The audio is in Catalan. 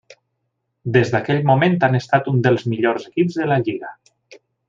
Des d'aquell moment, han estat un dels millors equips de la lliga.